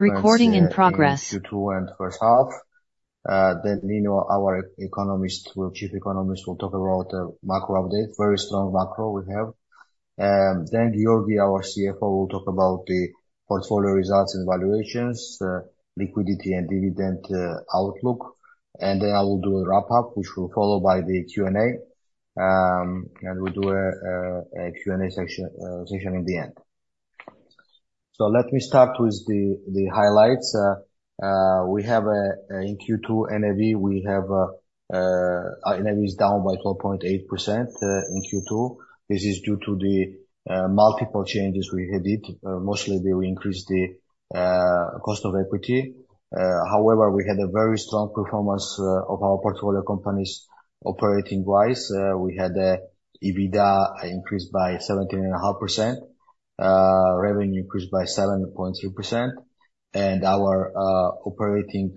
Recording in progress. Q2 and first half. Then Nino, our economist, well, chief economist, will talk about macro update. Very strong macro we have. Then Giorgi, our CFO, will talk about the portfolio results and valuations, liquidity and dividend outlook. And then I will do a wrap-up, which will follow by the Q&A. And we'll do a Q&A section, session in the end. So let me start with the highlights. We have, in Q2 NAV, we have, our NAV is down by 12.8% in Q2. This is due to the multiple changes we had it. Mostly, we increased the cost of equity. However, we had a very strong performance of our portfolio companies operating-wise. We had an EBITDA increased by 17.5%, revenue increased by 7.3%, and our operating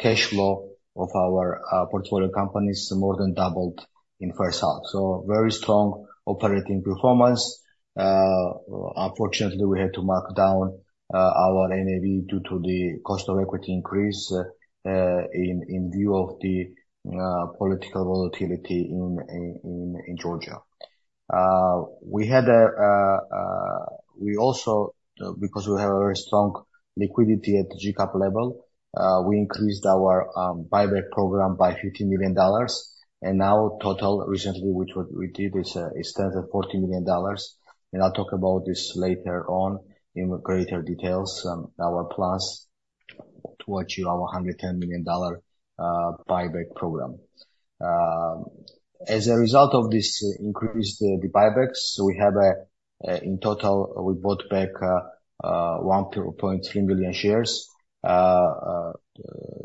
cash flow of our portfolio companies more than doubled in first half. So very strong operating performance. Unfortunately, we had to mark down our NAV due to the cost of equity increase in view of the political volatility in Georgia. We also, because we have a very strong liquidity at GCAP level, we increased our buyback program by $50 million, and now total recently, which what we did, is stands at $40 million. And I'll talk about this later on in greater details our plans to achieve our $110 million buyback program. As a result of this increase, the buybacks, we have, in total, we bought back 1.3 million shares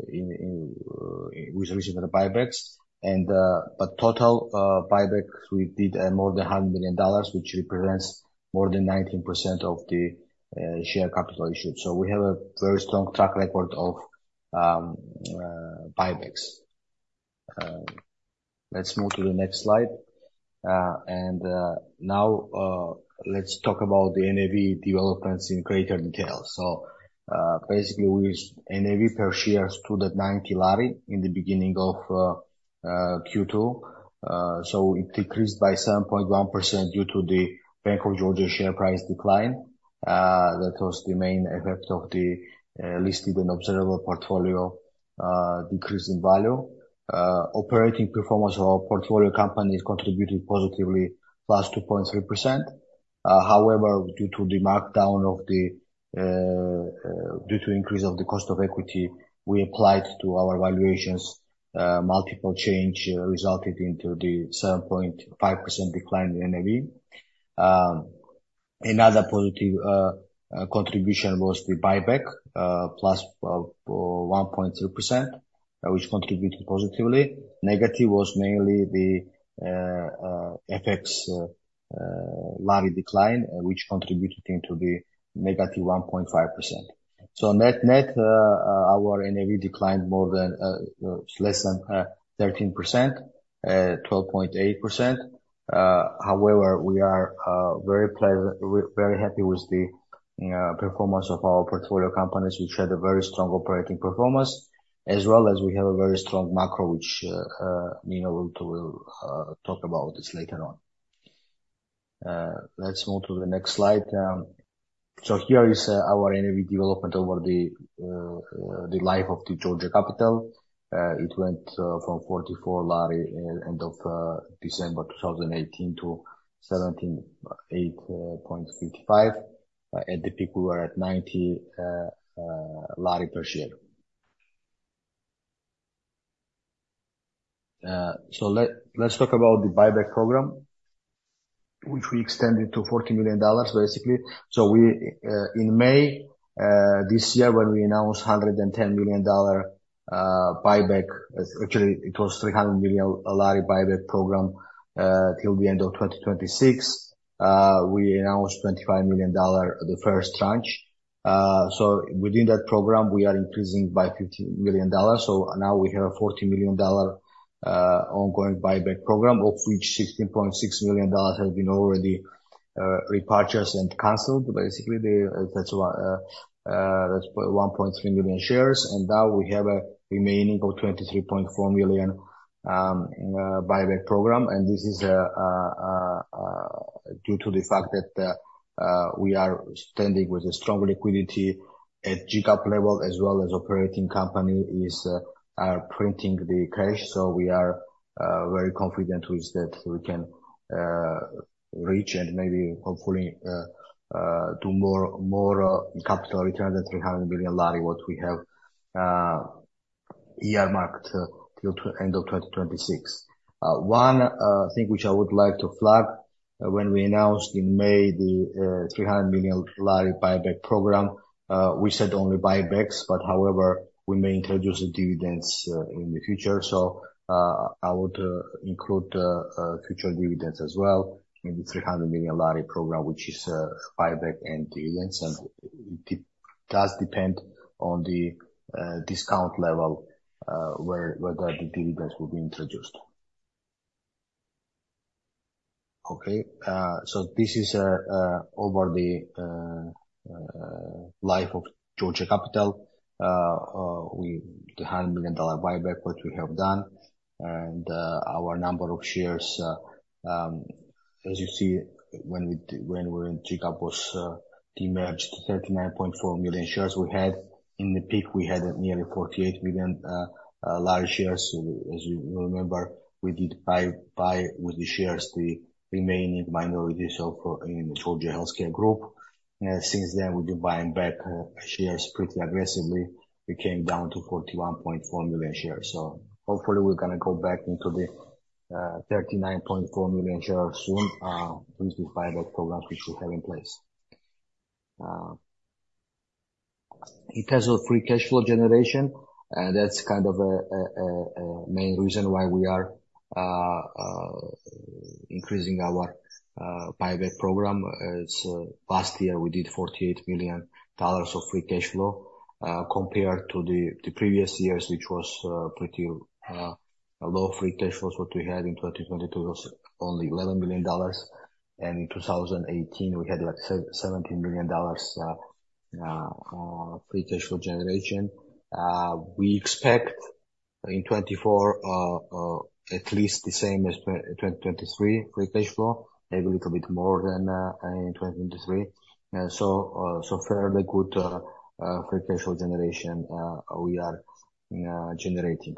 in with recent buybacks. But total buybacks, we did more than $100 million, which represents more than 19% of the share capital issued. So we have a very strong track record of buybacks. Let's move to the next slide. Now, let's talk about the NAV developments in greater detail. So, basically, with NAV per share stood at GEL 9 in the beginning of Q2. So it decreased by 7.1% due to the Bank of Georgia share price decline. That was the main effect of the listed and observable portfolio decrease in value. Operating performance of our portfolio companies contributed positively, plus 2.3%. However, due to the markdown of the, due to increase of the cost of equity, we applied to our valuations, multiple change, resulted into the 7.5% decline in NAV. Another positive contribution was the buyback, plus, one point three percent, which contributed positively. Negative was mainly the, FX, lari decline, which contributed into the negative 1.5%. So net, net, our NAV declined more than, less than, 13%, 12.8%. However, we are very happy with the performance of our portfolio companies, which had a very strong operating performance, as well as we have a very strong macro, which Nino will talk about this later on. Let's move to the next slide. So here is our NAV development over the life of the Georgia Capital. It went from 44 GEL end of December 2018 to 178.55 at the peak we were at 90 GEL per share. So let's talk about the buyback program, which we extended to $40 million, basically. So we in May this year, when we announced $110 million buyback, actually, it was GEL 300 million buyback program till the end of 2026. We announced $25 million, the first tranche. So within that program, we are increasing by $50 million. So now we have a $40 million ongoing buyback program, of which $16.6 million has been already repurchased and canceled. Basically, that's 1.3 million shares, and now we have a remaining of $23.4 million buyback program. And this is due to the fact that we are standing with a strong liquidity at GCAP level, as well as operating companies are printing the cash. So we are very confident with that we can reach and maybe hopefully do more capital return than GEL 300 million, what we have earmarked till to end of 2026. One thing which I would like to flag, when we announced in May the GEL 300 million buyback program, we said only buybacks, but however, we may introduce the dividends in the future. So I would include future dividends as well in the GEL 300 million program, which is buyback and dividends, and it does depend on the discount level where whether the dividends will be introduced. Okay, so this is over the life of Georgia Capital. We, the $100 million buyback that we have done, and our number of shares, as you see, when we're in GCAP was demerged 39.4 million shares we had. In the peak, we had nearly GEL 48 million shares. So as you remember, we did buy buy with the shares, the remaining minority, so for in Georgia Healthcare Group. Since then, we've been buying back shares pretty aggressively. We came down to 41.4 million shares. So hopefully we're gonna go back into the 39.4 million shares soon with the buyback program which we have in place. In terms of free cash flow generation, that's kind of a main reason why we are increasing our buyback program. It's last year, we did $48 billion of free cash flow, compared to the previous years, which was pretty low free cash flows, what we had in 2022 was only $11 million, and in 2018, we had, like, $17 million, free cash flow generation. We expect in 2024, at least the same as 2023 free cash flow, maybe a little bit more than in 2023. So fairly good free cash flow generation we are generating.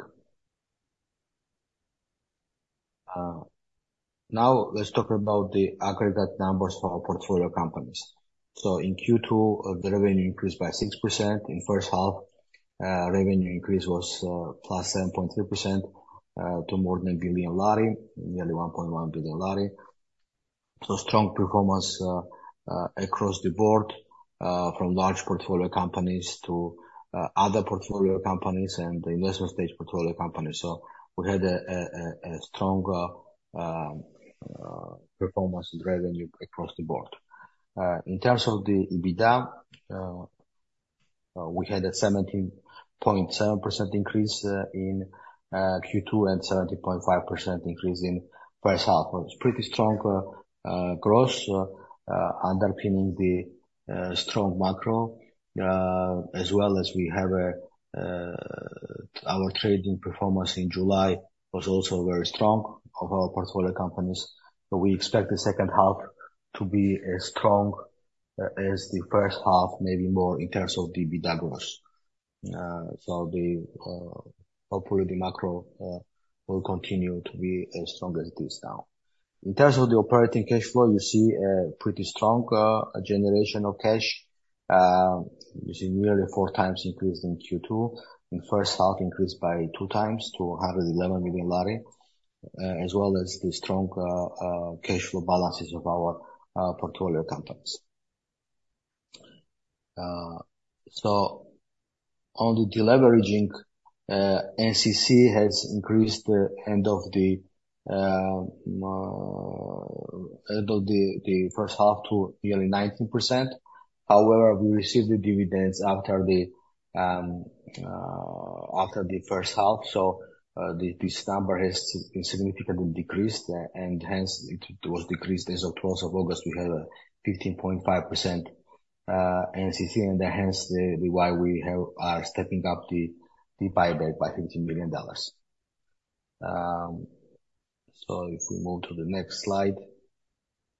Now let's talk about the aggregate numbers for our portfolio companies. So in Q2, the revenue increased by 6%. In first half, revenue increase was +7.3% to more than GEL 1 billion, nearly GEL 1.1 billion. So strong performance across the board from large portfolio companies to other portfolio companies and the investment stage portfolio companies. So we had a strong performance in revenue across the board. In terms of the EBITDA, we had a 17.7% increase in Q2 and 17.5% increase in first half. It was pretty strong growth underpinning the strong macro, as well as our trading performance in July was also very strong of our portfolio companies. So we expect the second half to be as strong as the first half, maybe more in terms of the EBITDA growth. So the hopefully the macro will continue to be as strong as it is now. In terms of the operating cash flow, you see a pretty strong generation of cash. You see nearly 4x increase in Q2. In first half, increased by 2x to GEL 111 million, as well as the strong cash flow balances of our portfolio companies. So on the deleveraging, NCC has increased at the end of the first half to nearly 19%. However, we received the dividends after the first half, so this number has been significantly decreased, and hence it was decreased. As of close of August, we have a 15.5% NCC, and hence the why we have are stepping up the buyback by $15 million. So if we move to the next slide,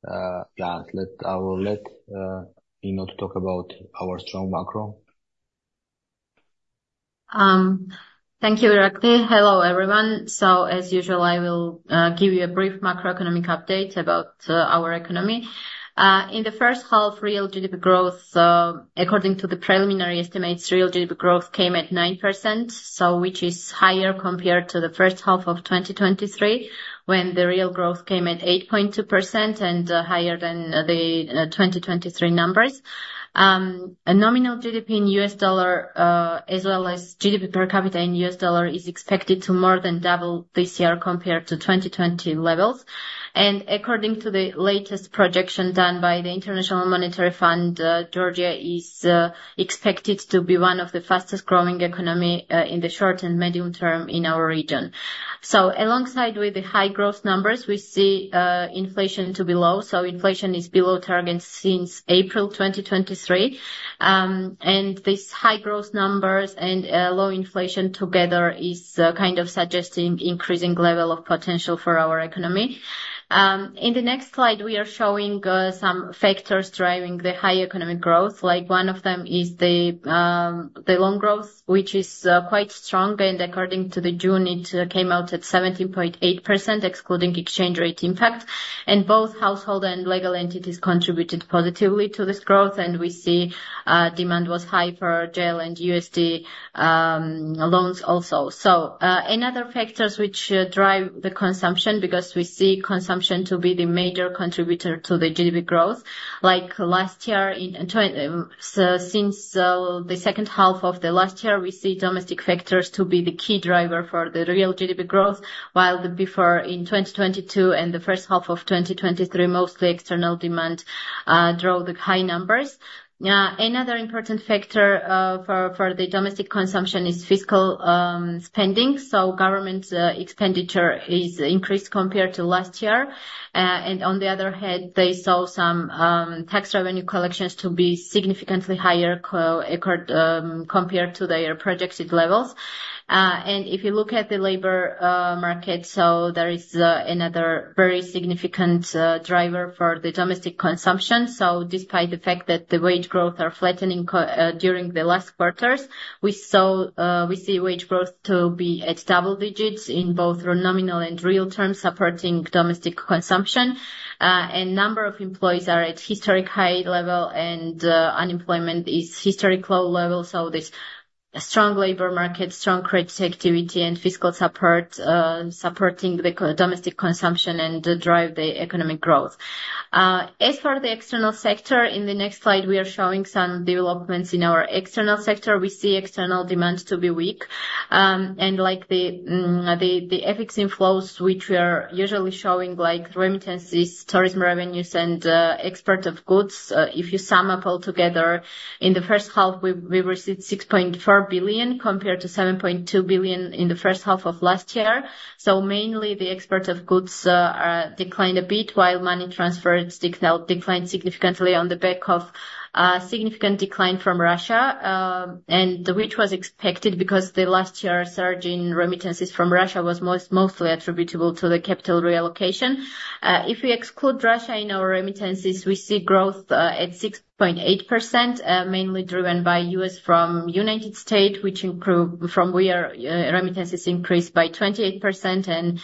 yeah, let, I will let Nino to talk about our strong macro. Thank you, Irakli. Hello, everyone. So as usual, I will give you a brief macroeconomic update about our economy. In the first half, real GDP growth according to the preliminary estimates, real GDP growth came at 9%, so which is higher compared to the first half of 2023, when the real growth came at 8.2% and higher than the 2023 numbers. A nominal GDP in U.S. dollar, as well as GDP per capita in U.S. dollar, is expected to more than double this year compared to 2020 levels. According to the latest projection done by the International Monetary Fund, Georgia is expected to be one of the fastest growing economy in the short and medium term in our region. So alongside with the high growth numbers, we see, inflation to be low. So inflation is below target since April 2023. And this high growth numbers and, low inflation together is, kind of suggesting increasing level of potential for our economy. In the next slide, we are showing, some factors driving the high economic growth. Like, one of them is the, the loan growth, which is, quite strong, and according to the June, it came out at 17.8%, excluding exchange rate impact. And both household and legal entities contributed positively to this growth, and we see, demand was high for GEL and USD, loans also. So, another factors which drive the consumption, because we see consumption to be the major contributor to the GDP growth, like last year, so since the second half of the last year, we see domestic factors to be the key driver for the real GDP growth, while before in 2022 and the first half of 2023, mostly external demand drove the high numbers. Another important factor for the domestic consumption is fiscal spending. So government expenditure is increased compared to last year. And on the other hand, they saw some tax revenue collections to be significantly higher compared to their projected levels. And if you look at the labor market, so there is another very significant driver for the domestic consumption. So despite the fact that the wage growth are flattening during the last quarters, we saw we see wage growth to be at double digits in both nominal and real terms, supporting domestic consumption. And number of employees are at historic high level, and unemployment is historic low level. A strong labor market, strong credit activity, and fiscal support supporting domestic consumption and drive the economic growth. As for the external sector, in the next slide, we are showing some developments in our external sector. We see external demands to be weak, and like the FDI inflows, which we are usually showing, like remittances, tourism revenues, and export of goods. If you sum up all together, in the first half, we received $6.4 billion, compared to $7.2 billion in the first half of last year. So mainly the export of goods declined a bit, while money transfers declined significantly on the back of significant decline from Russia, and which was expected because the last year, a surge in remittances from Russia was mostly attributable to the capital reallocation. If we exclude Russia in our remittances, we see growth at 6.8%, mainly driven by US from United States, which improve from where remittances increased by 28% and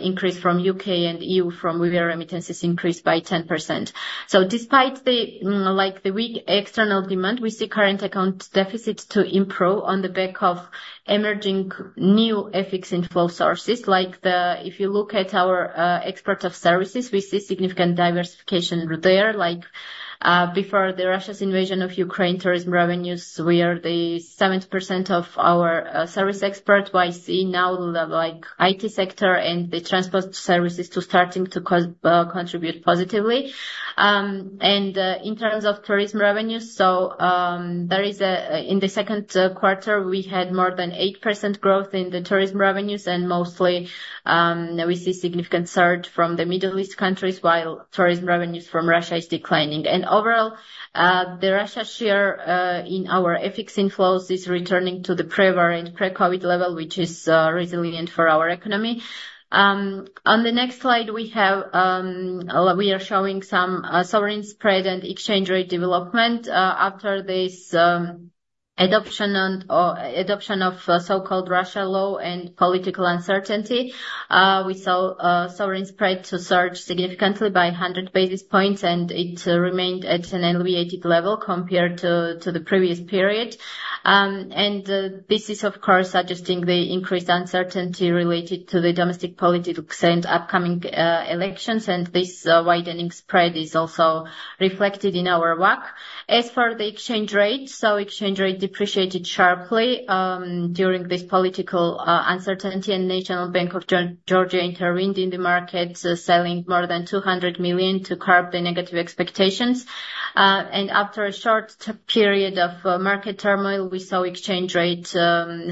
increase from UK and EU from where remittances increased by 10%. So despite the like the weak external demand, we see current account deficits to improve on the back of emerging new FDI inflow sources, like the... If you look at our export of services, we see significant diversification there. Like, before Russia's invasion of Ukraine, tourism revenues were the 70% of our service export. We see now, like, the IT sector and the transport services too starting to contribute positively. And in terms of tourism revenues, so, there is in the second quarter, we had more than 8% growth in the tourism revenues, and mostly, we see significant surge from the Middle East countries, while tourism revenues from Russia is declining. Overall, the Russia share in our remittance inflows is returning to the prewar and pre-COVArdi level, which is resilient for our economy. On the next slide, we are showing some sovereign spread and exchange rate development. After this adoption and, or adoption of a so-called Russia Law and political uncertainty, we saw sovereign spread to surge significantly by 100 basis points, and it remained at an elevated level compared to the previous period. This is, of course, suggesting the increased uncertainty related to the domestic politics and upcoming elections, and this widening spread is also reflected in our work. As for the exchange rate, so exchange rate depreciated sharply during this political uncertainty, and National Bank of Georgia intervened in the market, selling more than $200 million to curb the negative expectations. And after a short period of market turmoil, we saw exchange rate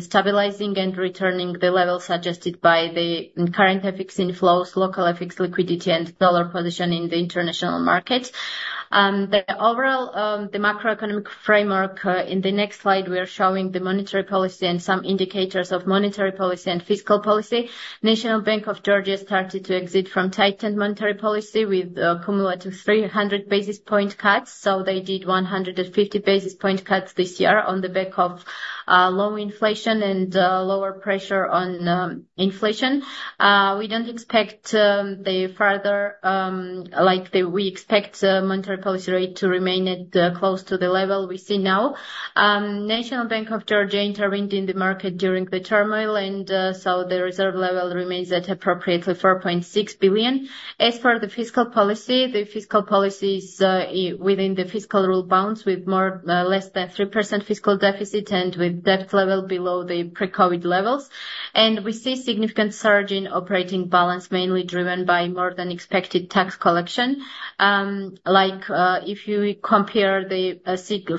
stabilizing and returning to the level suggested by the current FDI inflows, local FX liquidity, and dollar position in the international market. The overall macroeconomic framework, in the next slide, we are showing the monetary policy and some indicators of monetary policy and fiscal policy. National Bank of Georgia started to exit from tightened monetary policy with cumulative 300 basis point cuts, so they did 150 basis point cuts this year on the back of low inflation and lower pressure on inflation. We expect monetary policy rate to remain at close to the level we see now. National Bank of Georgia intervened in the market during the turmoil, and so the reserve level remains at appropriately $4.6 billion. As for the fiscal policy, the fiscal policy is within the fiscal rule bounds, with less than 3% fiscal deficit and with debt level below the pre-COVArdi levels. We see significant surge in operating balance, mainly driven by more than expected tax collection. Like, if you compare the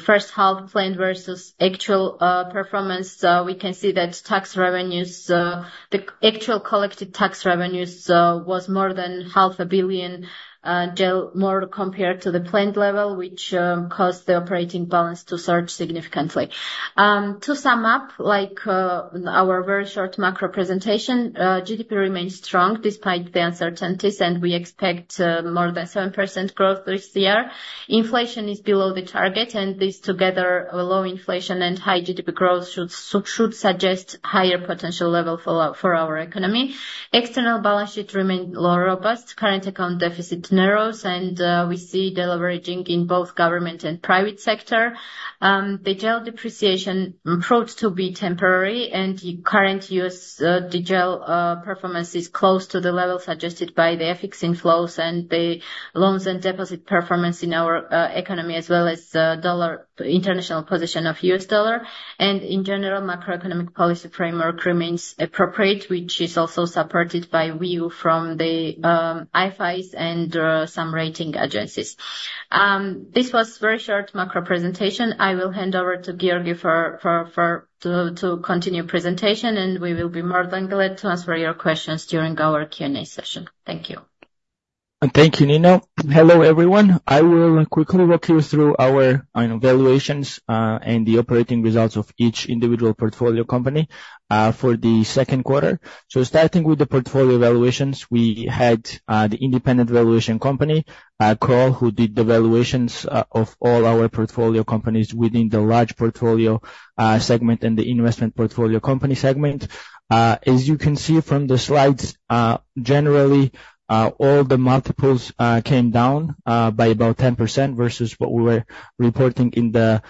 first half planned versus actual performance, we can see that tax revenues, the actual collected tax revenues, was more than GEL 500 million more compared to the planned level, which caused the operating balance to surge significantly. To sum up, like, our very short macro presentation, GDP remains strong despite the uncertainties, and we expect more than 7% growth this year. Inflation is below the target, and this together low inflation and high GDP growth should suggest higher potential level for our economy. External balance sheet remain more robust, current account deficit narrows, and we see deleveraging in both government and private sector. The GEL depreciation proved to be temporary, and current US, the GEL, performance is close to the level suggested by the FDI inflows and the loans and deposit performance in our economy, as well as the dollar, international position of US dollar. In general, macroeconomic policy framework remains appropriate, which is also supported by view from the IFIs and some rating agencies. This was very short macro presentation. I will hand over to Georgi to continue presentation, and we will be more than glad to answer your questions during our Q&A session. Thank you. Thank you, Nino. Hello, everyone. I will quickly walk you through our valuations and the operating results of each individual portfolio company for the second quarter. So starting with the portfolio valuations, we had the independent valuation company Crowe, who did the valuations of all our portfolio companies within the core portfolio segment and the investment portfolio segment. As you can see from the slides, generally, all the multiples came down by about 10% versus what we were reporting in the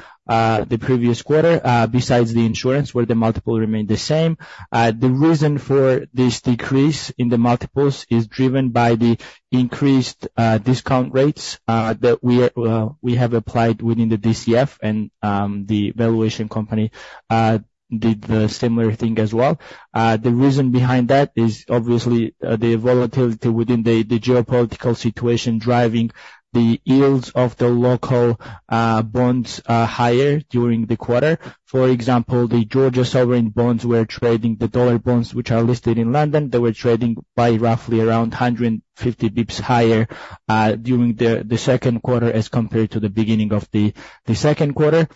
previous quarter, besides the insurance, where the multiple remained the same. The reason for this decrease in the multiples is driven by the increased discount rates that we have applied within the DCF and the valuation company did the similar thing as well. The reason behind that is obviously the volatility within the geopolitical situation, driving the yields of the local bonds higher during the quarter. For example, the Georgia sovereign bonds were trading the dollar bonds, which are listed in London. They were trading by roughly around 150 basis points higher during the second quarter, as compared to the beginning of the second quarter.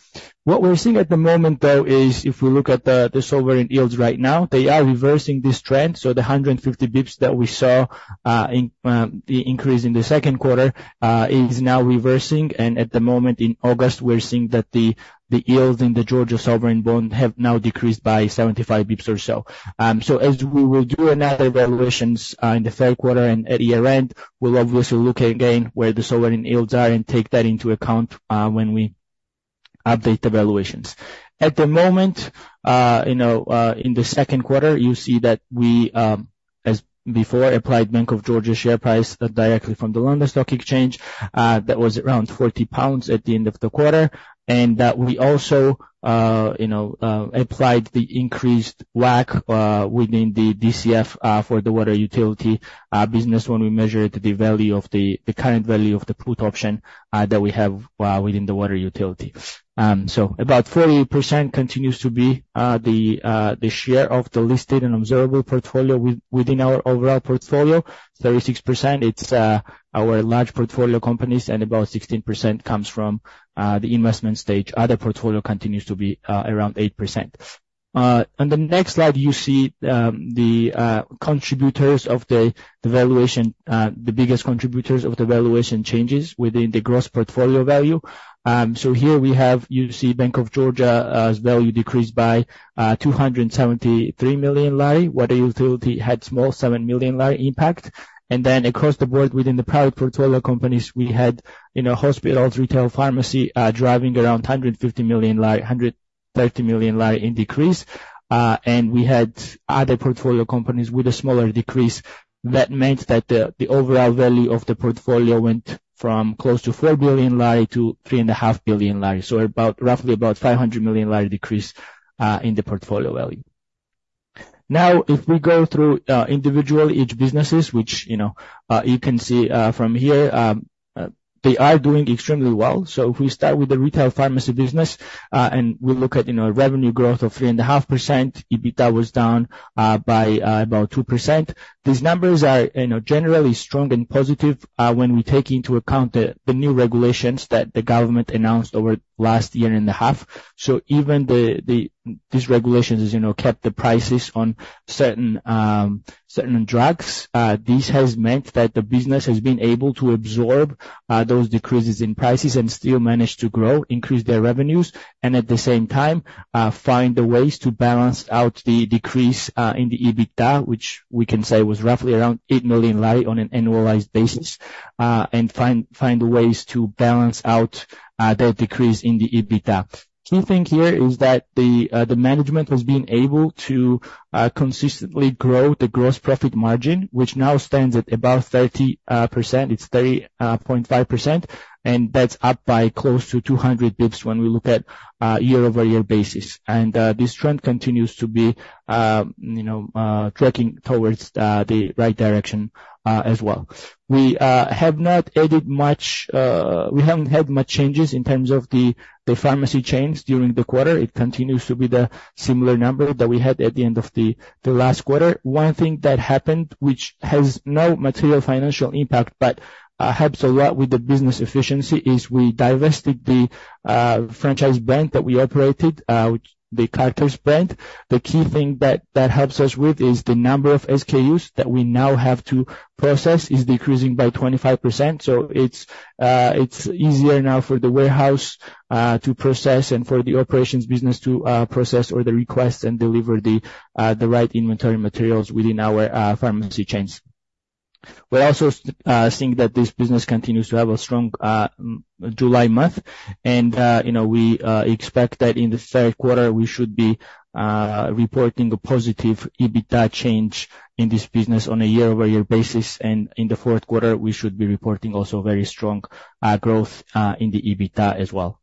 What we're seeing at the moment, though, is if we look at the sovereign yields right now, they are reversing this trend. So the 150 basis points that we saw in the increase in the second quarter is now reversing. And at the moment, in August, we're seeing that the yields in the Georgia sovereign bond have now decreased by 75 basis points or so. The reason behind that is obviously the volatility within the geopolitical situation, driving the yields of the local bonds higher during the quarter. For example, the Georgia sovereign bonds were trading the dollar bonds, which are listed in London. They were trading by roughly around 150 basis points higher during the second quarter, as compared to the beginning of the second quarter. What we're seeing at the moment, though, is if we look at the sovereign yields right now, they are reversing this trend. So the 150 basis points that we saw in the increase in the second quarter is now reversing. And at the moment, in August, we're seeing that the yields in the Georgia sovereign bond have now decreased by 75 basis points or so. So as we will do another valuations in the third quarter and at year-end, we'll obviously look again where the sovereign yields are and take that into account when we update the valuations. At the moment, you know, in the second quarter, you see that we, as before, applied Bank of Georgia share price directly from the London Stock Exchange. That was around 40 pounds at the end of the quarter, and that we also, you know, applied the increased WACC within the DCF for the water utility business when we measured the value of the current value of the put option that we have within the water utility. So about 40% continues to be the share of the listed and observable portfolio within our overall portfolio. 36%, it's our large portfolio companies, and about 16% comes from the investment stage. Other portfolio continues to be around 8%. On the next slide, you see the contributors of the valuation, the biggest contributors of the valuation changes within the gross portfolio value. So here we have, you see, Bank of Georgia value decreased by GEL 273 million. Water utility had small GEL 7 million impact. And then across the board, within the private portfolio companies, we had, you know, hospitals, retail, pharmacy driving around GEL 150 million, GEL 130 million in decrease. And we had other portfolio companies with a smaller decrease. That meant that the overall value of the portfolio went from close to GEL 4 billion to GEL 3.5 billion, so about, roughly about GEL 500 million decrease in the portfolio value. Now, if we go through individually each businesses, which, you know, you can see from here, they are doing extremely well. So if we start with the retail pharmacy business and we look at, you know, revenue growth of 3.5%, EBITDA was down by about 2%. These numbers are, you know, generally strong and positive when we take into account the new regulations that the government announced over last year and a half. So even the these regulations has, you know, kept the prices on certain certain drugs. This has meant that the business has been able to absorb those decreases in prices and still manage to grow, increase their revenues, and at the same time, find the ways to balance out the decrease in the EBITDA, which we can say was roughly around GEL 8 million on an annualized basis. And find ways to balance out that decrease in the EBITDA. Key thing here is that the management has been able to consistently grow the gross profit margin, which now stands at about 30%. It's 30.5%, and that's up by close to 200 basis points when we look at year-over-year basis. And this trend continues to be, you know, tracking towards the right direction as well. We have not added much, we haven't had much changes in terms of the pharmacy chains during the quarter. It continues to be the similar number that we had at the end of the last quarter. One thing that happened, which has no material financial impact, but helps a lot with the business efficiency, is we divested the franchise brand that we operated, which the Carter's brand. The key thing that that helps us with is the number of SKUs that we now have to process is decreasing by 25%. So it's easier now for the warehouse to process and for the operations business to process all the requests and deliver the right inventory materials within our pharmacy chains. We're also seeing that this business continues to have a strong July month, and you know, we expect that in the third quarter, we should be reporting a positive EBITDA change in this business on a year-over-year basis. And in the fourth quarter, we should be reporting also very strong growth in the EBITDA as well.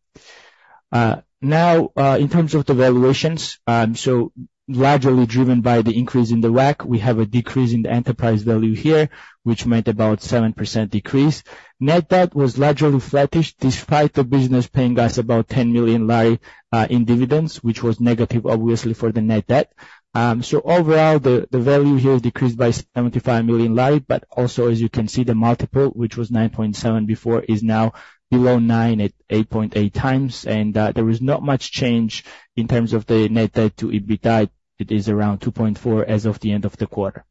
Now, in terms of the valuations, so largely driven by the increase in the WACC, we have a decrease in the enterprise value here, which meant about 7% decrease. Net debt was largely flattish, despite the business paying us about GEL 10 million in dividends, which was negative, obviously, for the net debt. So overall, the value here is decreased by GEL 75 million, but also, as you can see, the multiple, which was 9.7x before, is now below nine at 8.8x. There is not much change in terms of the net debt to EBITDA. It is around 2.4x as of the end of the quarter.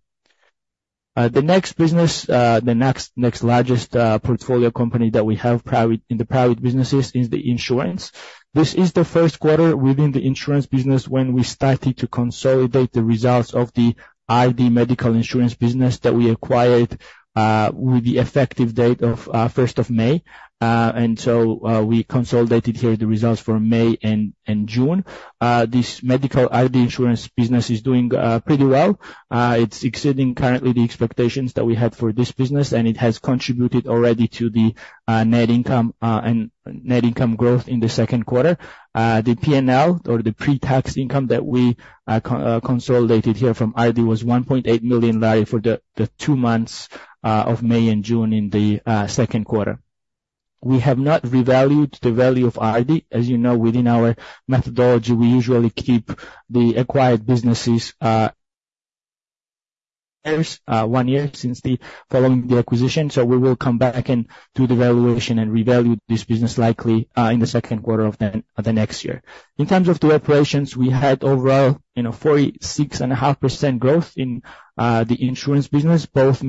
The next business, the next largest portfolio company that we have private in the private businesses is the insurance. This is the first quarter within the insurance business, when we started to consolidate the results of the Ardi medical insurance business that we acquired, with the effective date of first of May. We consolidated here the results for May and June. This medical Ardi insurance business is doing pretty well. It's exceeding currently the expectations that we had for this business, and it has contributed already to the net income and net income growth in the second quarter. The PNL or the pre-tax income that we consolidated here from Ardi was GEL 1.8 million for the two months of May and June in the second quarter. We have not revalued the value of Ardi. As you know, within our methodology, we usually keep the acquired businesses first one year since following the acquisition. So we will come back and do the valuation, and revalue this business likely in the second quarter of the next year. In terms of the operations, we had overall, you know, 46.5% growth in the insurance business. Both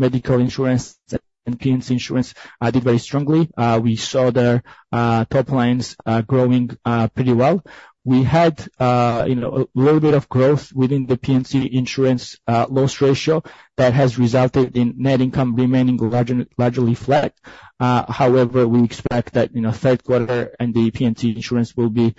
medical insurance and P&C Insurance did very strongly. We saw their top lines growing pretty well. We had, you know, a little bit of growth within the P&C Insurance loss ratio that has resulted in net income remaining largely, largely flat. However, we expect that, you know, third quarter and the P&C Insurance will be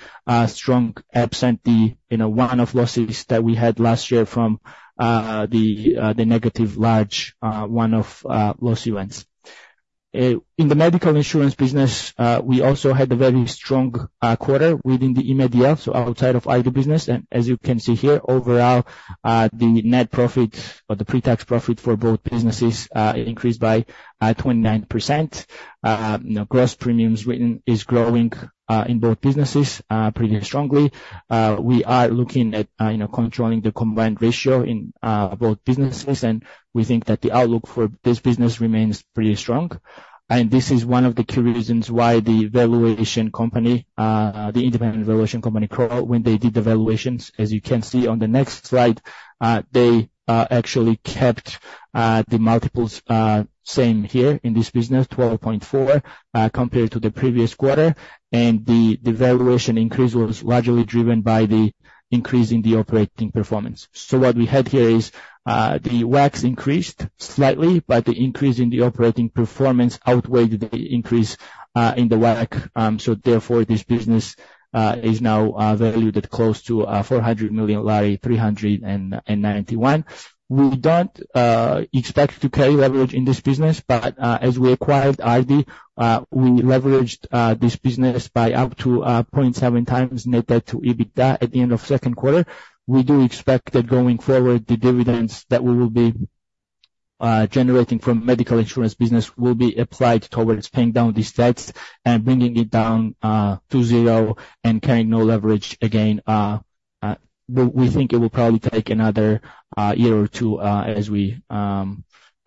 strong, absent the, you know, one-off losses that we had last year from the negative, large one-off loss events. In the medical insurance business, we also had a very strong quarter within the Imedi L, so outside of Ardi business. And as you can see here, overall, the net profit or the pre-tax profit for both businesses increased by 29%. You know, gross premiums written is growing in both businesses pretty strongly. We are looking at, you know, controlling the combined ratio in both businesses, and we think that the outlook for this business remains pretty strong. This is one of the key reasons why the valuation company, the independent valuation company, Crowe, when they did the valuations, as you can see on the next slide, they actually kept the multiples same here in this business, 12.4x, compared to the previous quarter. And the valuation increase was largely driven by the increase in the operating performance. So what we had here is, the WACC increased slightly, but the increase in the operating performance outweighed the increase in the WACC. So therefore, this business is now valued at close to GEL 400 million, GEL 391 million. We don't expect to carry leverage in this business, but as we acquired Ardi, we leveraged this business by up to 0.7x net debt to EBITDA at the end of second quarter. We do expect that going forward, the dividends that we will be generating from medical insurance business will be applied towards paying down these debts and bringing it down to zero and carrying no leverage again. But we think it will probably take another year or two as we, you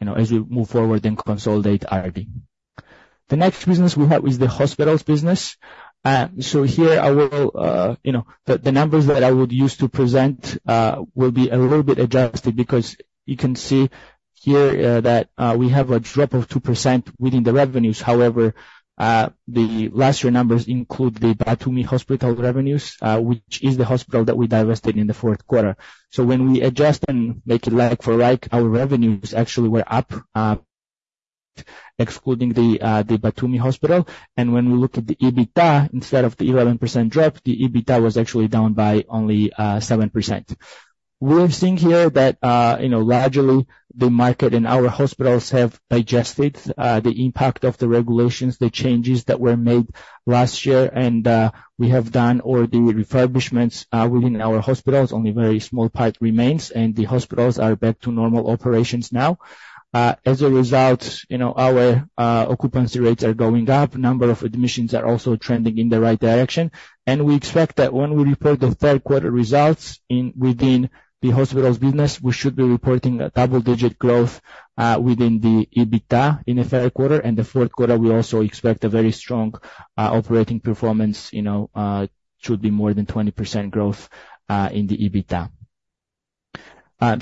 know, as we move forward and consolidate. The next business we have is the hospitals business. So here I will, you know, the numbers that I would use to present will be a little bit adjusted, because you can see here that we have a drop of 2% within the revenues. However, the last year numbers include the Batumi Hospital revenues, which is the hospital that we divested in the fourth quarter. So when we adjust and make it like for like, our revenues actually were up, excluding the Batumi Hospital. And when we look at the EBITDA, instead of the 11% drop, the EBITDA was actually down by only 7%. We're seeing here that, you know, largely the market and our hospitals have digested, the impact of the regulations, the changes that were made last year, and, we have done all the refurbishments, within our hospitals. Only a very small part remains, and the hospitals are back to normal operations now. As a result, you know, our, occupancy rates are going up. Number of admissions are also trending in the right direction. And we expect that when we report the third quarter results in, within the hospitals business, we should be reporting a double-digit growth, within the EBITDA in the third quarter. And the fourth quarter, we also expect a very strong, operating performance, you know, should be more than 20% growth, in the EBITDA.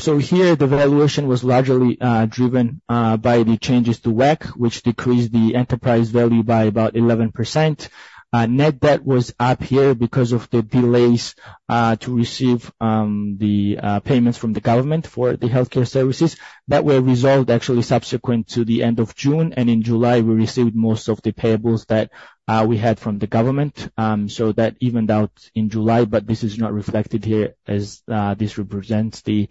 So here, the valuation was largely driven by the changes to WACC, which decreased the enterprise value by about 11%. Net debt was up here because of the delays to receive the payments from the government for the healthcare services. That were resolved, actually, subsequent to the end of June, and in July, we received most of the payables that we had from the government. So that evened out in July, but this is not reflected here, as this represents the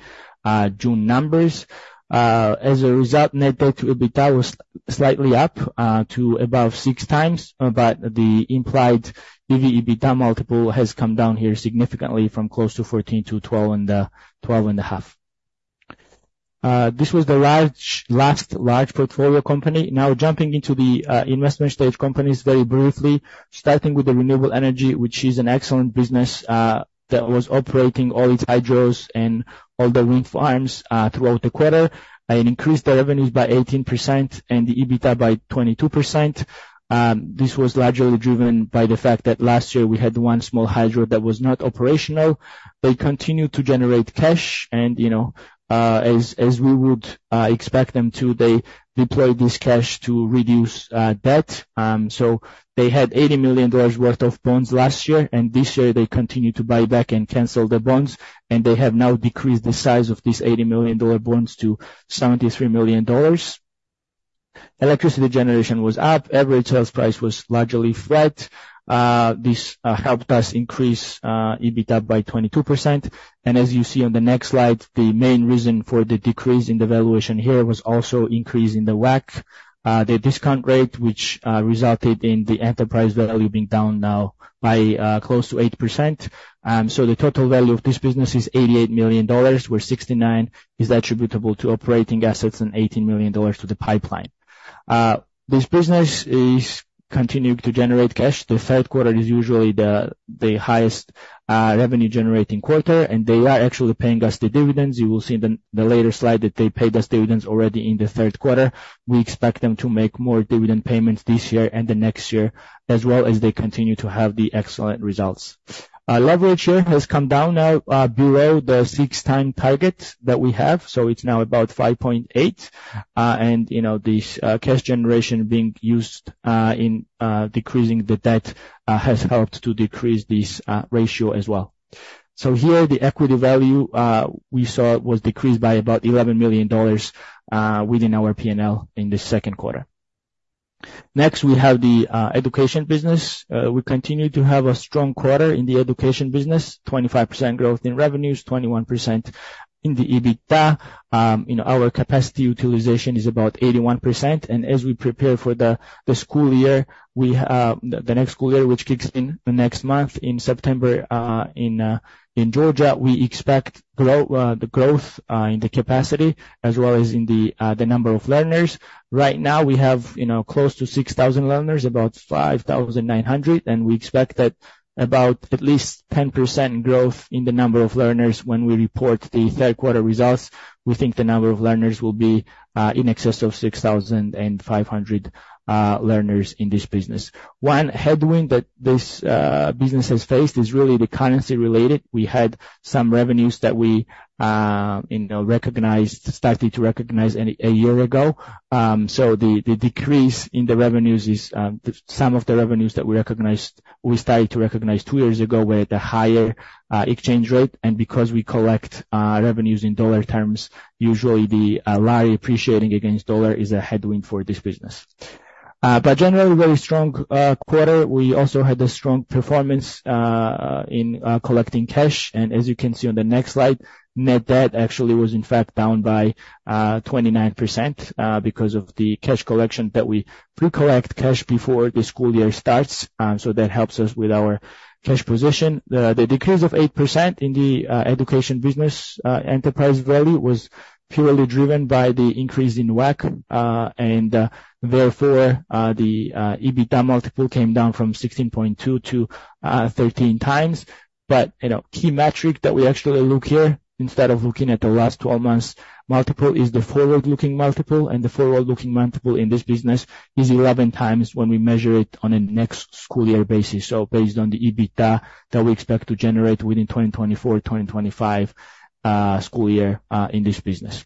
June numbers. As a result, net debt to EBITDA was slightly up to above 6x, but the implied EV/EBITDA multiple has come down here significantly from close to 14x to 12.5x. This was the last large portfolio company. Now jumping into the investment stage companies very briefly, starting with the renewable energy, which is an excellent business that was operating all its hydros and all the wind farms throughout the quarter, and increased the revenues by 18% and the EBITDA by 22%. This was largely driven by the fact that last year we had one small hydro that was not operational. They continued to generate cash and, you know, as we would expect them to, they deployed this cash to reduce debt. So they had $80 million worth of bonds last year, and this year they continued to buy back and cancel the bonds, and they have now decreased the size of these $80 million bonds to $73 million. Electricity generation was up, average sales price was largely flat. This helped us increase EBITDA by 22%. And as you see on the next slide, the main reason for the decrease in the valuation here was also increase in the WACC, the discount rate, which resulted in the enterprise value being down now by close to 8%. So the total value of this business is $88 million, where $69 million is attributable to operating assets and $18 million to the pipeline. This business is continuing to generate cash. The third quarter is usually the highest revenue-generating quarter, and they are actually paying us the dividends. You will see in the later slide that they paid us dividends already in the third quarter. We expect them to make more dividend payments this year and the next year, as well as they continue to have the excellent results. Leverage here has come down now, below the 6x target that we have, so it's now about 5.8x. And, you know, this cash generation being used in decreasing the debt has helped to decrease this ratio as well. So here, the equity value we saw was decreased by about GEL 11 million within our P&L in the second quarter. Next, we have the education business. We continue to have a strong quarter in the education business. 25% growth in revenues, 21% in the EBITDA. Our capacity utilization is about 81%, and as we prepare for the school year, we have the next school year, which kicks in the next month, in September, in Georgia, we expect the growth in the capacity as well as in the number of learners. Right now, we have, you know, close to 6,000 learners, about 5,900, and we expect that about at least 10% growth in the number of learners when we report the third quarter results. We think the number of learners will be in excess of 6,500 learners in this business. One headwind that this business has faced is really the currency-related. We had some revenues that we, you know, recognized, started to recognize a year ago. So the decrease in the revenues is, some of the revenues that we recognized, we started to recognize two years ago were at a higher exchange rate, and because we collect revenues in dollar terms, usually the lari appreciating against dollar is a headwind for this business. But generally, very strong quarter. We also had a strong performance in collecting cash, and as you can see on the next slide, net debt actually was in fact down by 29%, because of the cash collection that we pre-collect cash before the school year starts, so that helps us with our cash position. The decrease of 8% in the education business enterprise value was purely driven by the increase in WACC, and therefore, the EBITDA multiple came down from 16.2x-3x. But, you know, key metric that we actually look here, instead of looking at the last twelve months multiple, is the forward-looking multiple, and the forward-looking multiple in this business is 11x when we measure it on a next school year basis. So based on the EBITDA that we expect to generate within 2024-2025 school year in this business.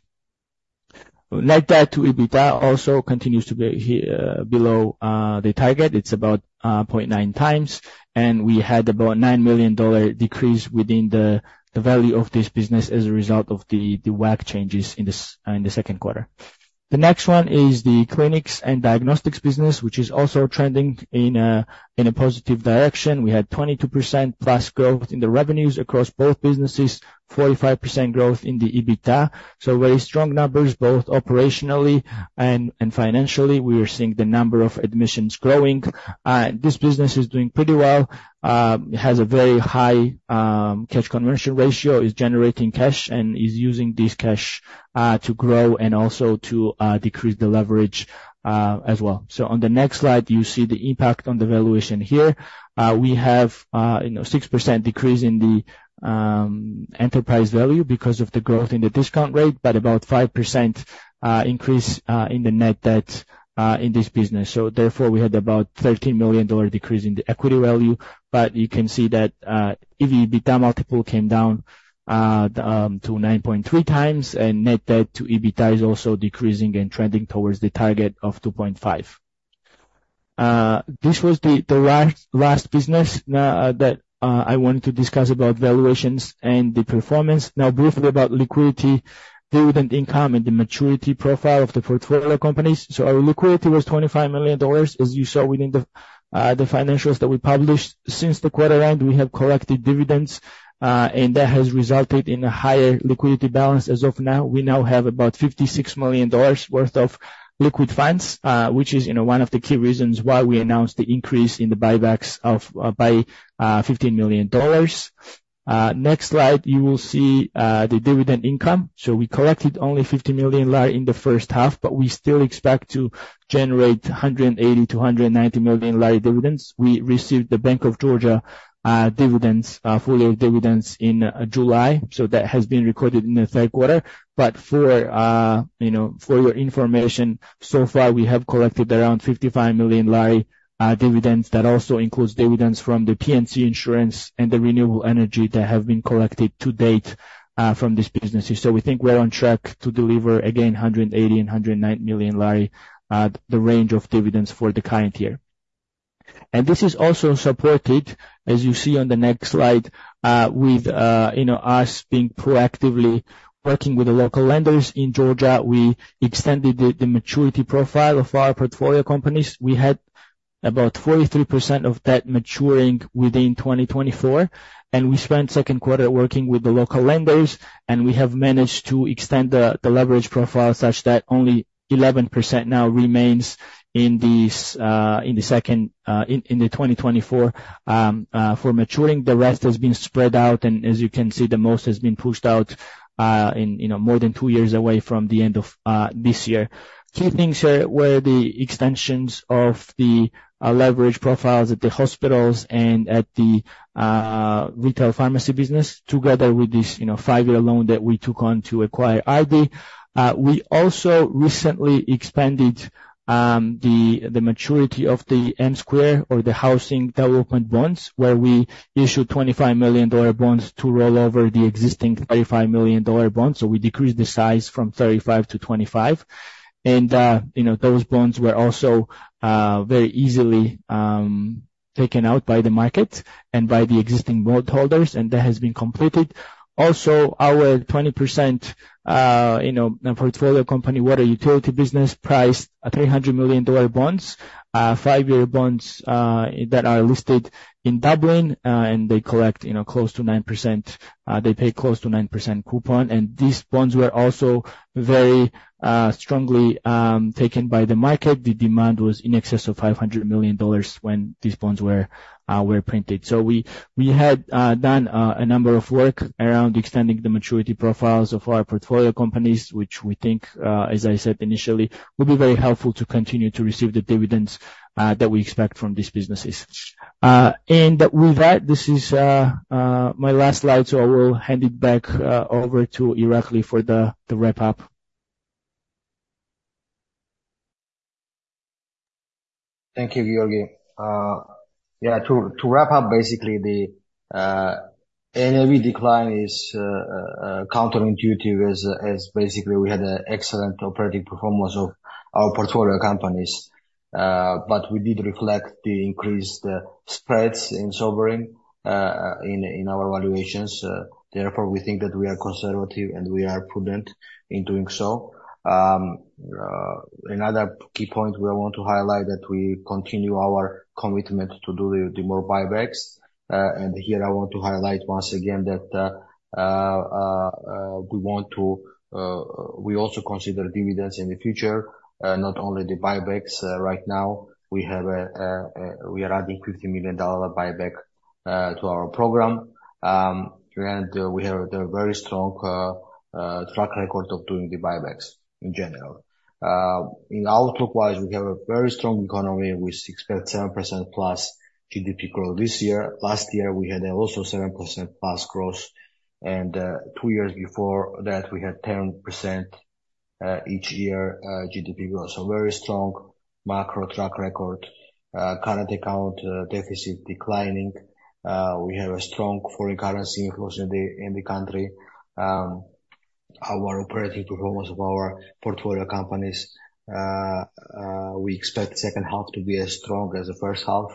Net debt to EBITDA also continues to be below the target. It's about 0.9x, and we had about $9 million decrease within the value of this business as a result of the WACC changes in the second quarter. The next one is the clinics and diagnostics business, which is also trending in a positive direction. We had 22% plus growth in the revenues across both businesses, 45% growth in the EBITDA. So very strong numbers, both operationally and financially. We are seeing the number of admissions growing. This business is doing pretty well. It has a very high cash conversion ratio, is generating cash, and is using this cash to grow and also to decrease the leverage as well. So on the next slide, you see the impact on the valuation here. We have, you know, 6% decrease in the enterprise value because of the growth in the discount rate, but about 5% increase in the net debt in this business. So therefore, we had about $13 million decrease in the equity value. But you can see that EV-EBITDA multiple came down to 9.3x, and net debt to EBITDA is also decreasing and trending towards the target of 2.5x. This was the last business now that I wanted to discuss about valuations and the performance. Now, briefly about liquidity, dividend income, and the maturity profile of the portfolio companies. So our liquidity was $25 million, as you saw within the financials that we published. Since the quarter end, we have collected dividends, and that has resulted in a higher liquidity balance as of now. We now have about $56 million worth of liquid funds, which is, you know, one of the key reasons why we announced the increase in the buybacks of by $15 million. Next slide, you will see the dividend income. So we collected only GEL 50 million in the first half, but we still expect to generate GEL 180 million-GEL 190 million dividends. We received the Bank of Georgia dividends, full-year dividends in July, so that has been recorded in the third quarter. But for, you know, for your information, so far, we have collected around GEL 55 million dividends. That also includes dividends from the P&C Insurance and the renewable energy that have been collected to date, from these businesses. So we think we're on track to deliver, again, GEL 180 million-GEL 190 million, the range of dividends for the current year. And this is also supported, as you see on the next slide, with, you know, us being proactively working with the local lenders in Georgia. We extended the maturity profile of our portfolio companies. We had about 43% of debt maturing within 2024, and we spent the second quarter working with the local lenders, and we have managed to extend the leverage profile such that only 11% now remains for maturing in 2024. The rest has been spread out, and as you can see, the most has been pushed out, you know, more than two years away from the end of this year. Key things here were the extensions of the leverage profiles at the hospitals and at the retail pharmacy business, together with this, you know, five-year loan that we took on to acquire Ardi. We also recently expanded the maturity of the m2 or the housing development bonds, where we issued $25 million bonds to roll over the existing $35 million bonds. So we decreased the size from 35 to 25. And, you know, those bonds were also very easily taken out by the market and by the existing bondholders, and that has been completed. Also, our 20%, you know, portfolio company, Water Utility business, priced $300 million bonds, 5-year bonds, that are listed in Dublin, and they collect, you know, close to 9%, they pay close to 9% coupon. And these bonds were also very, strongly, taken by the market. The demand was in excess of $500 million when these bonds were, were printed. So we, we had, done, a number of work around extending the maturity profiles of our portfolio companies, which we think, as I said initially, will be very helpful to continue to receive the dividends, that we expect from these businesses. And with that, this is, my last slide, so I will hand it back, over to Irakli for the, the wrap-up. Thank you, Giorgi. Yeah, to wrap up, basically, the NAV decline is counterintuitive, as basically, we had an excellent operating performance of our portfolio companies. But we did reflect the increased spreads in sovereign in our valuations. Therefore, we think that we are conservative, and we are prudent in doing so. Another key point we want to highlight that we continue our commitment to do the more buybacks. And here I want to highlight once again that we also consider dividends in the future, not only the buybacks. Right now, we are adding $50 million buyback to our program. And we have a very strong track record of doing the buybacks in general. In outlook wise, we have a very strong economy. We expect 7%+ GDP growth this year. Last year, we had also 7%+ growth, and two years before that, we had 10% each year GDP growth. So very strong macro track record, current account deficit declining. We have a strong foreign currency inflows in the country. Our operating performance of our portfolio companies, we expect second half to be as strong as the first half.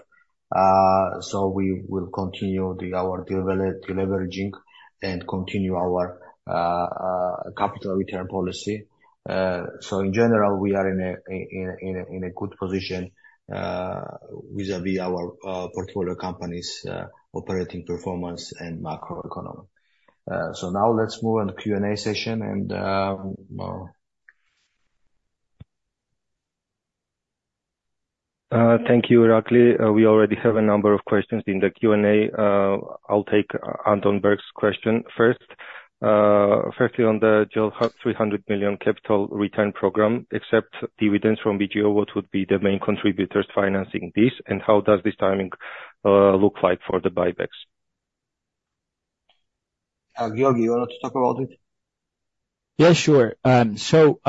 So we will continue our deleveraging and continue our capital return policy. So in general, we are in a good position vis-a-vis our portfolio companies' operating performance and macroeconomy. So now let's move on to Q&A session and... Thank you, Irakli. We already have a number of questions in the Q&A. I'll take Anton Berg's question first. Firstly, on the Georgia's 100 million capital return program, except dividends from BGO, what would be the main contributors financing this? And how does this timing look like for the buybacks? Giorgi, you want to talk about it? Yeah, sure. So,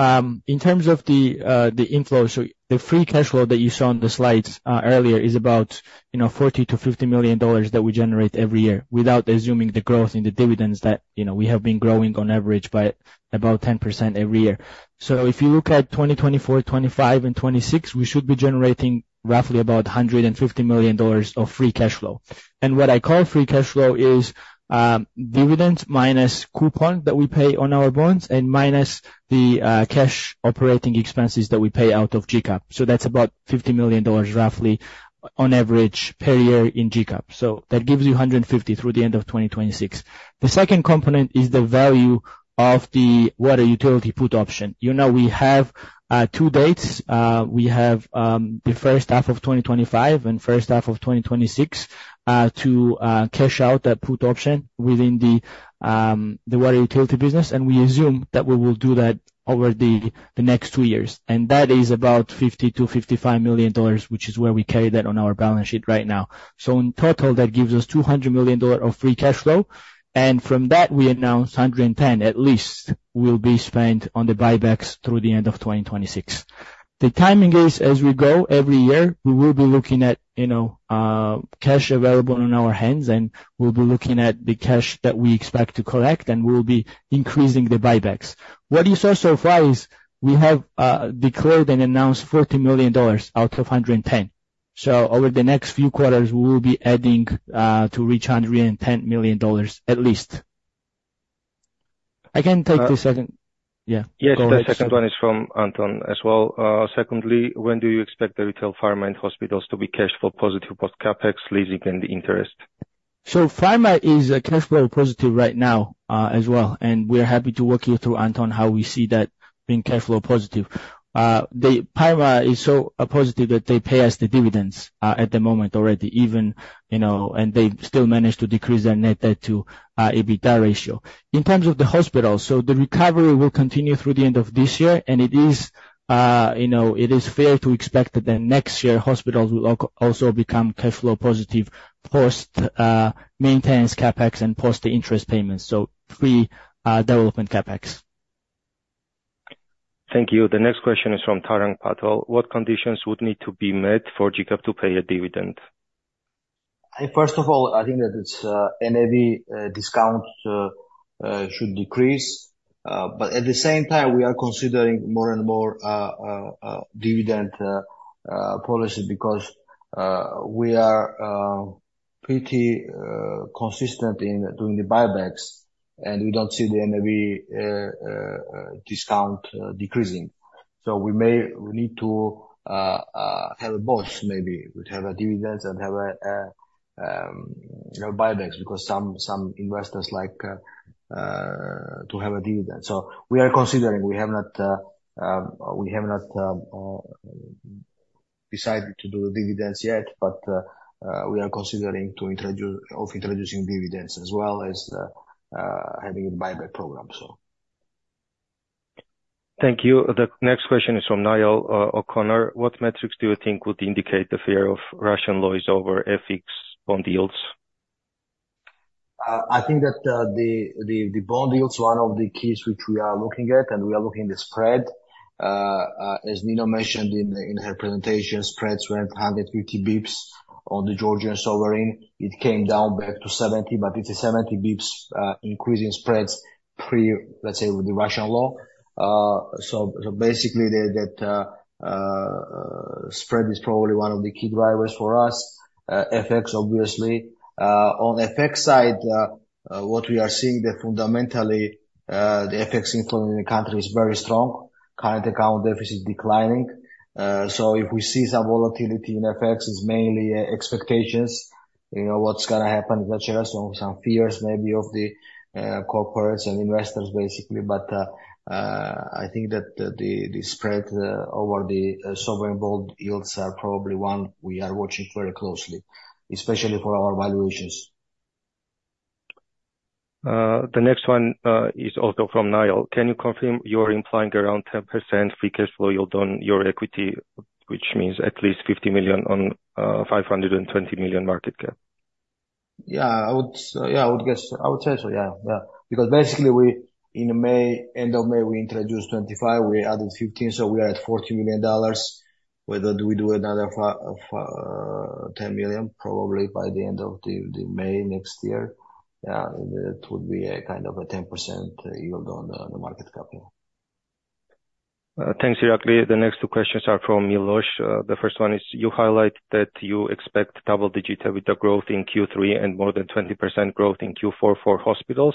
in terms of the inflows, so the free cash flow that you saw on the slides earlier is about, you know, $40 million-$50 million that we generate every year, without assuming the growth in the dividends that, you know, we have been growing on average by about 10% every year. So if you look at 2024, 2025 and 2026, we should be generating roughly about $150 million of free cashflow. And what I call free cashflow is, dividends minus coupon that we pay on our bonds and minus the cash operating expenses that we pay out of GCAP. So that's about $50 million, roughly, on average per year in GCAP. So that gives you $150 million through the end of 2026. The second component is the value of the Water Utility put option. You know, we have two dates. We have the first half of 2025 and first half of 2026 to cash out that put option within the Water Utility business, and we assume that we will do that over the next two years. And that is about $50-$55 million, which is where we carry that on our balance sheet right now. So in total, that gives us $200 million of free cashflow, and from that, we announced 110, at least, will be spent on the buybacks through the end of 2026. The timing is as we go every year, we will be looking at, you know, cash available on our hands, and we'll be looking at the cash that we expect to collect, and we'll be increasing the buybacks. What you saw so far is, we have declared and announced $40 million out of $110 million. So over the next few quarters, we will be adding to reach $110 million at least. I can take the second. Yeah. Yes, the second one is from Anton as well. Secondly, when do you expect the retail pharmacy and hospitals to be cash flow positive, post CapEx, leasing, and interest? So pharma is cash flow positive right now, as well, and we're happy to walk you through, Anton, how we see that being cash flow positive. The pharma is so positive that they pay us the dividends at the moment already, even, you know, and they still manage to decrease their net debt to EBITDA ratio. In terms of the hospital, so the recovery will continue through the end of this year, and it is, you know, it is fair to expect that then next year, hospitals will also become cash flow positive, post maintenance CapEx and post the interest payments, so pre development CapEx. Thank you. The next question is from Tarang Patel: What conditions would need to be met for GCAP to pay a dividend? I, first of all, I think that it's NAV discount should decrease. But at the same time, we are considering more and more dividend policy because we are pretty consistent in doing the buybacks, and we don't see the NAV discount decreasing. So we may need to have both maybe. We have a dividends and have a buybacks because some investors like to have a dividend. So we are considering, we have not decided to do the dividends yet, but we are considering the introduction of introducing dividends as well as having a buyback program, so. Thank you. The next question is from Niall O'Connor: What metrics do you think would indicate the fear of Russian laws over FX bond yields? I think that, the bond yields [are] one of the keys which we are looking at, and we are looking [at] the spread. As Nino mentioned in her presentation, spreads went 150 basis points on the Georgian sovereign. It came down back to 70 basis points, but it's a 70 basis points increase in spreads pre, let's say, with the Russian law. So basically, that spread is probably one of the key drivers for us. FX, obviously. On FX side, what we are seeing [is] that fundamentally, the FX income in the country is very strong. Current account deficit is declining. So if we see some volatility in FX, it's mainly expectations. You know, what's gonna happen next year? So some fears maybe of the corporates and investors, basically. But, I think that the spread over the sovereign bond yields are probably one we are watching very closely, especially for our valuations. The next one is also from Niall. Can you confirm you are implying around 10% free cash flow yield on your equity, which means at least 50 million on 520 million market cap? Yeah, I would guess. I would say so, yeah, yeah. Because basically we, in May, end of May, we introduced 25, we added 15, so we are at $40 million. Whether do we do another $10 million, probably by the end of the May next year? Yeah, it would be a kind of a 10% yield on the market capital. Thanks, Irakli. The next two questions are from Milosz. The first one is: You highlight that you expect double-digit EBITDA growth in Q3 and more than 20% growth in Q4 for hospitals.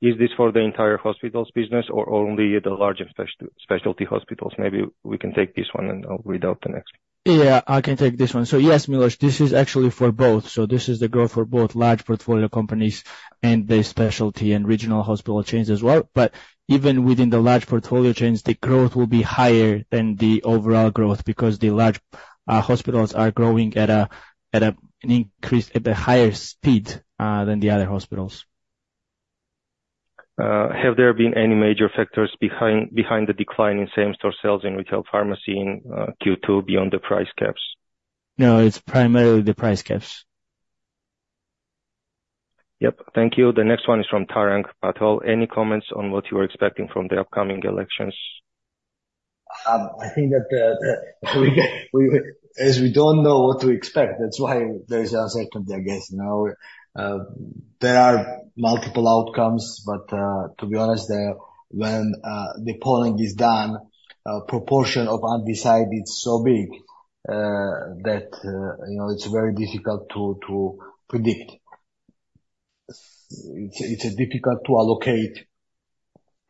Is this for the entire hospitals business or only the larger specialty hospitals? Maybe we can take this one, and I'll read out the next. Yeah, I can take this one. So yes, Milosz, this is actually for both. So this is the growth for both large portfolio companies and the specialty and regional hospital chains as well. But even within the large portfolio chains, the growth will be higher than the overall growth because the large hospitals are growing at a higher speed than the other hospitals. Have there been any major factors behind the decline in same-store sales in retail pharmacy in Q2 beyond the price caps? No, it's primarily the price caps. Yep. Thank you. The next one is from Tarang Patel. Any comments on what you are expecting from the upcoming elections? I think that, as we don't know what to expect, that's why there is uncertainty, I guess, you know. There are multiple outcomes, but, to be honest, when the polling is done, proportion of undecided is so big, that you know, it's very difficult to predict. It's difficult to allocate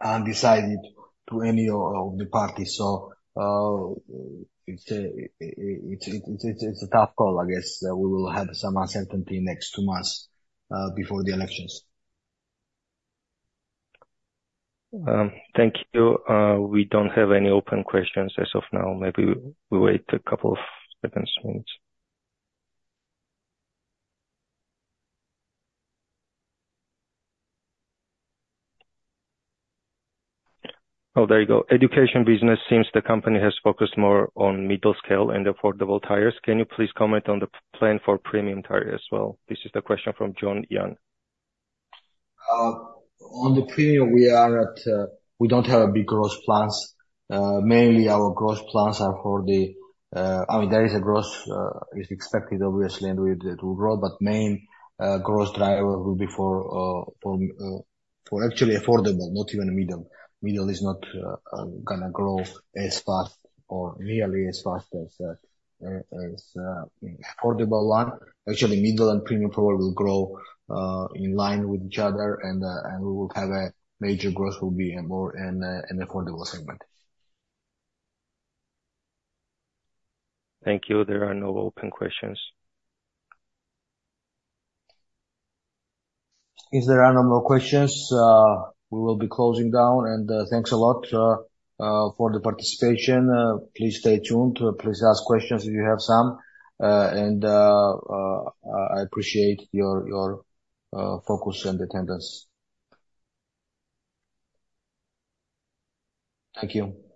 undecided to any of the parties. So, it's a tough call, I guess. We will have some uncertainty next two months before the elections. Thank you. We don't have any open questions as of now. Maybe we wait a couple of seconds, minutes. Oh, there you go. Education business seems the company has focused more on middle scale and affordable tires. Can you please comment on the plan for premium tire as well? This is the question from John Young. On the premium, we are at, we don't have a big growth plans. Mainly our growth plans are for the, I mean, there is a growth is expected, obviously, and we, it will grow, but main growth driver will be for actually affordable, not even middle. Middle is not gonna grow as fast or nearly as fast as affordable one. Actually, middle and premium probably will grow in line with each other, and we will have a major growth will be in more in affordable segment. Thank you. There are no open questions. If there are no more questions, we will be closing down, and thanks a lot for the participation. Please stay tuned. Please ask questions if you have some. And I appreciate your focus and attendance. Thank you.